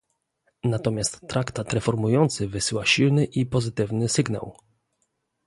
Natomiast traktat reformujący wysyła silny i pozytywny sygnał